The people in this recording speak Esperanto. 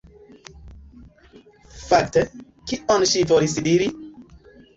Fakte, kion ŝi volis diri?